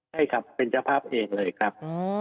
ใช่ครับเป็นเจ้าภาพเองเลยครับ